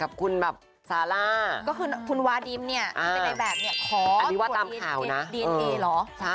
อันนี้ไว้ตามข่าวนะ